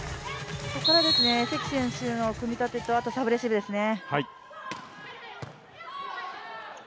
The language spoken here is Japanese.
ここから関選手の組み立てと、あとはサーブレシーブですね。